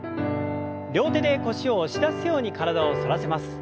両手で腰を押し出すように体を反らせます。